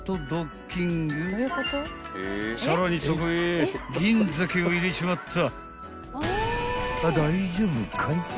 ［さらにそこへ銀鮭を入れちまった］